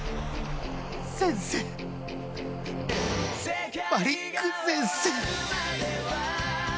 先生マリック先生。